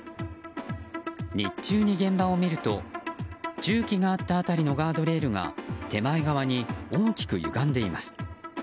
日中に現場を見ると重機があった辺りのガードレールが手前側に大きくゆがんでいます。